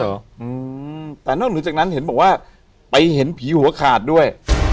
อืมแต่นอกเหนือจากนั้นเห็นบอกว่าไปเห็นผีหัวขาดด้วย